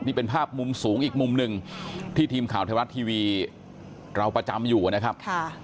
นี่เป็นภาพมุมสูงอีกมุมหนึ่งที่ทีมข่าวไทยรัฐทีวีเราประจำอยู่นะครับ